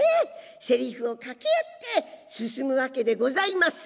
セリフを掛け合って進むわけでございますが。